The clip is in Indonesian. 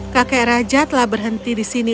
kakek raja telah berhenti di sini